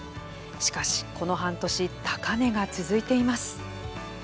しかし、この半年高値が続いています。